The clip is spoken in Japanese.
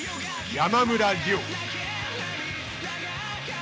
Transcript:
山村亮。